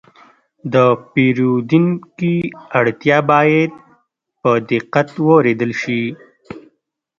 د پیرودونکي اړتیا باید په دقت واورېدل شي.